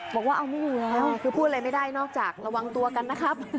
บอกว่าเอาไม่อยู่แล้วคือพูดอะไรไม่ได้นอกจากระวังตัวกันนะครับ